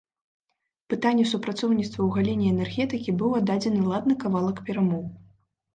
Пытанню супрацоўніцтва ў галіне энергетыкі быў аддадзены ладны кавалак перамоў.